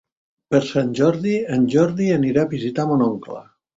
Per Sant Jordi en Jordi anirà a visitar mon oncle.